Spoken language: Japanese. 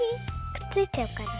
くっついちゃうから。